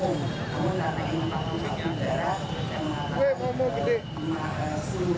namun kita ingin memiliki sejarah dan memiliki sejumlah besar